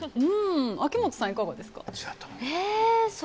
秋元さん、いかがですか？